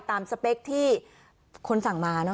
สเปคที่คนสั่งมา